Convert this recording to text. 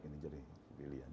ini jadi pilihan